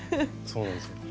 そうなんですよ。